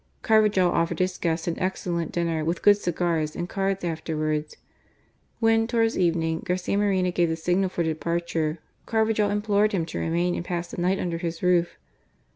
Carv ajal offered his guests an excellent dinner, with good cigars and cards afterwards. When, towards evening, Garcia Moreno gave the signal for departure, CarvajaJ ^ implored him to remain and pass the night under his roof.